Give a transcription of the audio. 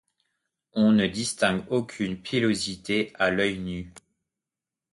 On ne distingue aucune pilosité à l'œil nu.